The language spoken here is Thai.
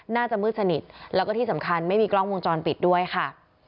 น่าจะมืดสนิทแล้วก็ที่สำคัญไม่มีกล้องวงจรปิดด้วยค่ะ